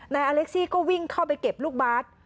อเล็กซี่ก็วิ่งเข้าไปเก็บลูกบาท